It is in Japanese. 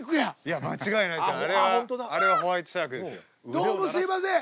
どうもすいません。